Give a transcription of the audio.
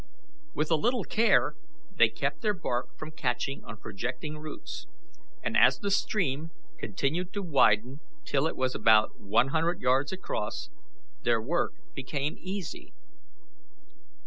With a little care they kept their bark from catching on projecting roots, and as the stream continued to widen till it was about one hundred yards across, their work became easy.